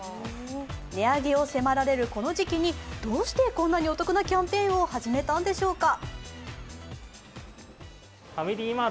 値上げを迫られるこの時期にどうしてこんなにお得なキャンペーンを始めたんでしょうか。